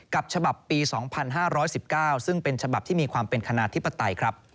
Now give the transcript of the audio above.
กับฉบับปี๒๕๑๙ซึ่งเป็นฉบับที่มีความเป็นคณาธิปไตยครับ